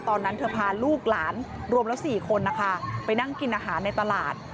ตอนนั้นเธอพาลูกหลานรวมแล้ว๔คนนะคะไปนั่งกินอาหารในตลาด